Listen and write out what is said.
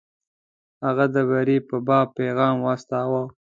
هغه د بري په باب پیغام واستاوه.